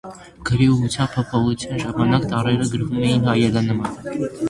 Գրի ուղղության փոփոխության ժամանակ տառերը գրվում էին հայելանման։